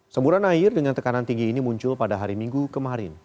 semburan air dengan tekanan tinggi ini muncul pada hari minggu kemarin